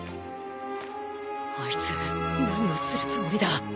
あいつ何をするつもりだ！？